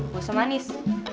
gak usah manis